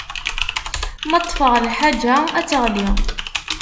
Ma ṭṭfeɣ lḥaǧa, ad teɣli.